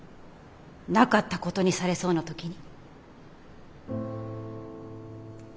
なかったことにされそうな時に。